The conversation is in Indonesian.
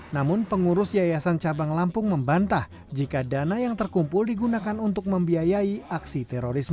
namun pengurus yayasan cabang lampung membantah jika dana yang terkumpul digunakan untuk membiayai aksi terorisme